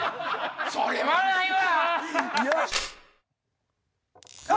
それはないわ！